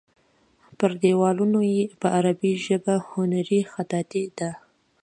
پر دیوالونو یې په عربي ژبه هنري خطاطي ده.